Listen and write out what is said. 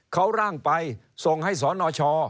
เขาร่างไปส่งให้สนช